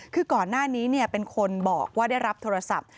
คือก่อนหน้านี้เป็นคนบอกว่าได้รับโทรศัพท์